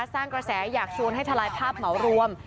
สร้างกระแสอยากชวนให้ทลายภาพเหมารวม